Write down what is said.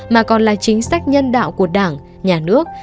mà còn là chính sách nhân đạo của đảng nhà nước